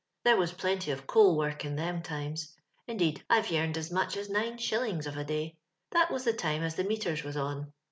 There was plenty of cool work in them times ; indeed, I've yearned as much as nine shillings of a day. That was the time as the meters was on.